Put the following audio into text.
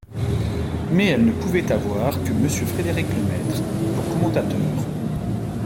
Mais elle ne pouvait avoir que Monsieur Frédérick-Lemaitre pour commentateur.